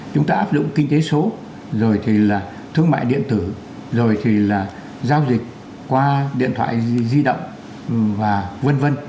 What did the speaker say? chúng ta áp dụng kinh tế số rồi thì là thương mại điện tử rồi thì là giao dịch qua điện thoại di động và v v